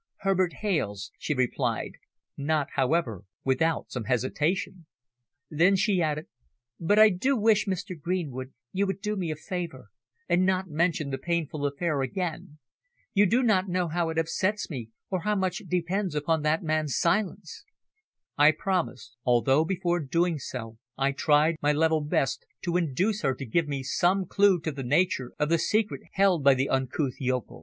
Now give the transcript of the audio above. "Herbert Hales," she replied, not, however, without some hesitation. Then she added, "But I do wish Mr. Greenwood, you would do me a favour and not mention the painful affair again. You do not know how it upsets me, or how much depends upon that man's silence." I promised, although before doing so I tried my level best to induce her to give me some clue to the nature of the secret held by the uncouth yokel.